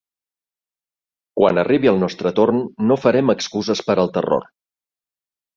Quan arribi el nostre torn, no farem excuses per al terror.